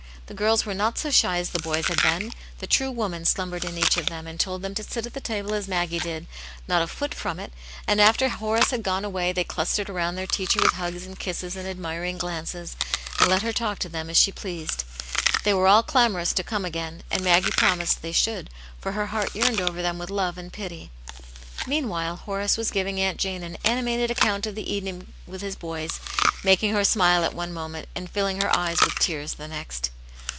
The girls were not so shy as the boys had been ; the true woman slumbered in each of them, and told, them to sit at the table as Maggie did, not a foot from it ; and after Horace had gone away, they clus tered around their teacher with hugs and kisses and admiring glances, and let her talk to them as she pleased. They were all clamorous to come again, and Maggie promised they should, for her heart yearned l^ver them with love and pity. Meanwhile, Horace was giving Aunt Jane an animated account of the evening with his boys, making her smile at one moment and filling her eyes with tears the next.